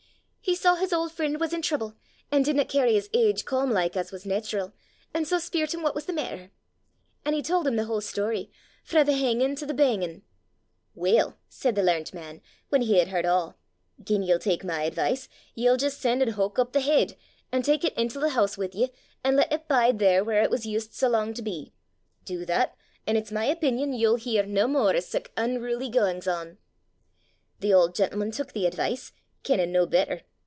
He saw his auld freen' was in trouble, an' didna cairry his age calm like as was nait'ral, an' sae speirt him what was the maitter. An' he told him the whole story, frae the hangin' to the bangin'. "Weel," said the learnit man, whan he had h'ard a', "gien ye'll tak my advice, ye'll jist sen' an' howk up the heid, an' tak it intil the hoose wi' ye, an' lat it bide there whaur it was used sae lang to be; do that, an' it's my opinion ye'll hear nae mair o' sic unruly gangin's on." The auld gentleman tuik the advice, kennin' no better.